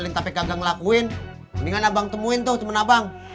abang diomelin tapi gak ngelakuin mendingan abang temuin tuh temen abang